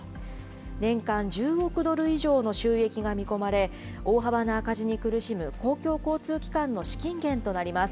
年間１０億ドル以上の収益が見込まれ、大幅な赤字に苦しむ公共交通機関の資金源となります。